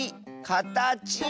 「かたち」！